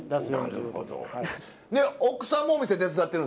で奥さんもお店手伝ってるんですか？